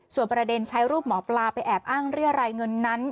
ส่วนประเด็นใช้รูปหมอปลาไปแอบอ้างเรียรายเงินนั้น